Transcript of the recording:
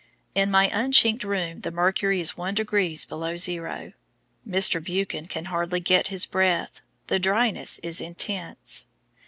In my unchinked room the mercury is 1 degrees below zero. Mr. Buchan can hardly get his breath; the dryness is intense.